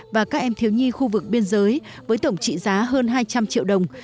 và các em thiếu nhi khu vực biên giới với tổng trị giá hơn hai trăm linh triệu đồng